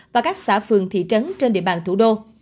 và các xã phường thị trấn trên địa bàn thủ đô